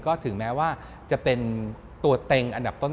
ก็ถึงแม้ว่าจะเป็นตัวเต็งอันดับต้น